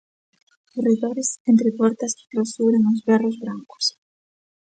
Corredores entre portas que clausuran os berros brancos.